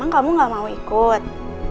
kamu gak mau ikut